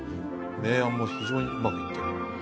明暗も非常に上手くいってる。